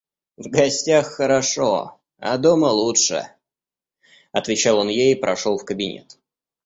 В гостях хорошо, а дома лучше, — отвечал он ей и прошел в кабинет.